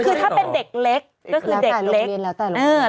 คือถ้าเป็นเด็กเล็ก